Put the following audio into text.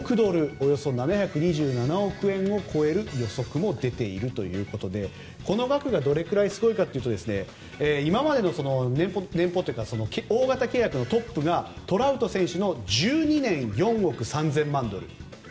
およそ７２７億円を超える予測も出ているということでこの額がどれくらいすごいかというと今までの年俸の大型契約のトップがトラウト選手の１２年４億３０００万ドル。